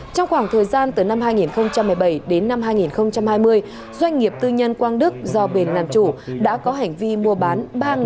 trong khoảng thời gian từ năm hai nghìn một mươi bảy đến năm hai nghìn hai mươi doanh nghiệp tư nhân quang đức do bền làm chủ đã có hành vi mua bán